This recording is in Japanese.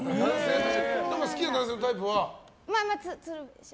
でも好きな男性のタイプは？